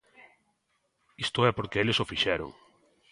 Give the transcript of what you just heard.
Isto é porque eles o fixeron.